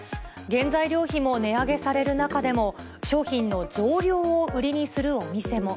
原材料費も値上げされる中でも、商品の増量を売りにするお店も。